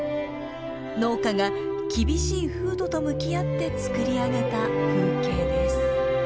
農家が厳しい風土と向き合ってつくり上げた風景です。